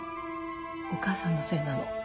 お母さんのせいなの。